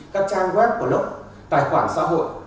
các trang web của lộ tài khoản xã hội